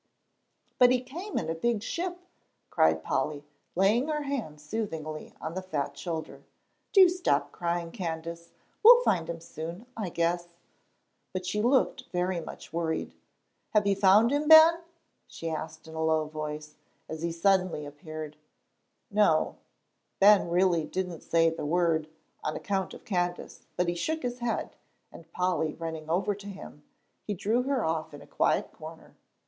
"But he came in a big ship," cried Polly, laying her hand soothingly on the fat shoulder. "Do stop crying, Candace, we'll find him soon, I guess;" but she looked very much worried. "Have you found him, Ben?" she asked in a low voice, as he suddenly appeared. "No." Ben didn't really say the word, on account of Candace, but he shook his head, and Polly running over to him, he drew her off into a quiet corner.